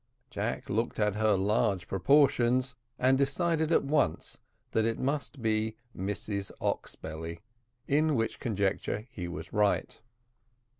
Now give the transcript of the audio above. Jack looked at her large proportions, and decided at once that it must be Mrs Oxbelly, in which conjecture he was right.